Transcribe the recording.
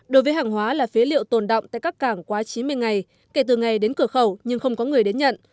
đối với hàng hóa là phế liệu tồn động tại các cảng quá chín mươi ngày kể từ ngày đến cửa khẩu nhưng không có người đến nhận